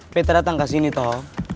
peta datang ke sini toh